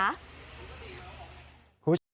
ครูชาบ